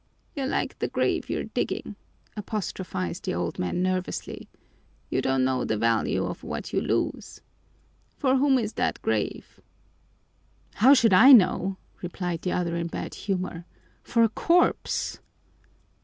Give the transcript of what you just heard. "You're like the grave you're digging," apostrophized the old man nervously. "You don't know the value of what you lose. For whom is that grave?" "How should I know?" replied the other in bad humor. "For a corpse!"